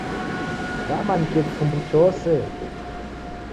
W'amanyikie kifumbu chose.